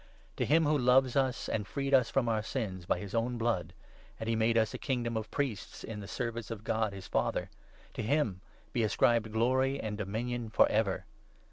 To him who loves us and freed us from our sins by his own blood — and he made us ' a Kingdom of Priests in 6 the service of God,' his Father !— to him be ascribed glory and dominion for ever.